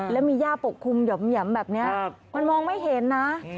แล้วมีย่าปกคลุมหย่อมแบบนี้มันมองไม่เห็นนะ